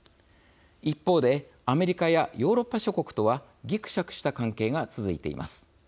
一方で、アメリカやヨーロッパ諸国とはぎくしゃくした関係が続いています。